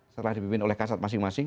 setelah dipimpin oleh kasat masing masing